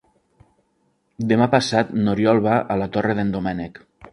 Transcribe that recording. Demà passat n'Oriol va a la Torre d'en Doménec.